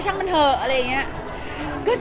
ใช่ค่ะ